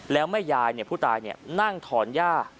แล้วแม่ยายผู้ตายนั่งถอนหญ้า